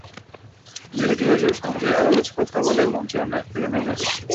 মেয়েটিও এসবের সঙ্গে আরও কিছু কথা বলে মঞ্চ থেকে নেমে এসেছিল।